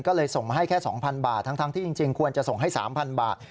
ก็เลยส่งมาให้แค่๒๐๐บาททั้งที่จริงควรจะส่งให้๓๐๐บาท